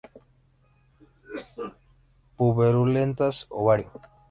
Puberulentas ovario.